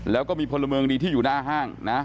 แล้วก็มีพลเมืองดีที่อยู่หน้าห้างนะ